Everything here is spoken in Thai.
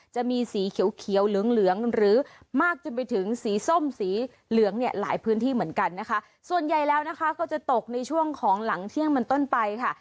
จะมีสีเขียวเขียวเหลืองเหลืองหรือมากจนไปถึงสีส้มสีเหลืองเนี่ยหลายพื้นที่เหมือนกันนะคะส่วนใหญ่แล้วนะคะก็จะตกในช่วงของหลังเที่ยงมันต้นไปค่ะ